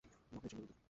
নখের চিহ্নগুলো দেখুন।